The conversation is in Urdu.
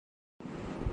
بس اچھے جج ہوں۔